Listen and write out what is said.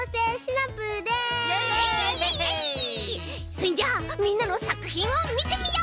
そんじゃあみんなのさくひんをみてみよう！